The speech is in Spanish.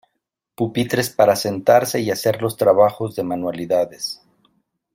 pupitres para sentarse y hacer los trabajos de manualidades.